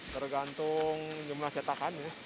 tergantung jumlah cetakan ya